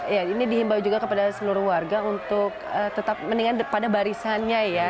ya ini dihimbau juga kepada seluruh warga untuk tetap mendingan pada barisannya ya